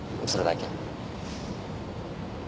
それだけ。